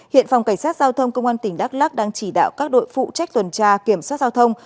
hiện phòng cảnh sát giao thông công an tỉnh đắk lắc đang chỉ đạo các đội phụ trách tuần tra kiểm soát giao thông